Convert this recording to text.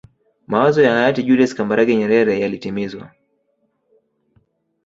mawazo ya hayati julius kambarage nyerere yalitimizwa